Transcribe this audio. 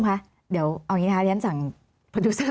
ทำไมรัฐต้องเอาเงินภาษีประชาชนไปจ้างกำลังผลมาโจมตีประชาชน